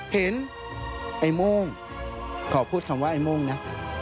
ไอ้โม่งขอพูดคำว่าไอ้โม่งนะ